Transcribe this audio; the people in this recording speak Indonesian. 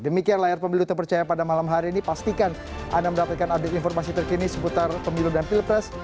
demikian layar pemilu terpercaya pada malam hari ini pastikan anda mendapatkan update informasi terkini seputar pemilu dan pilpres